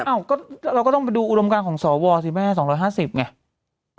อ้าวก็เราก็ต้องไปดูอุดมการของสวสิแม่๒๕๐ไง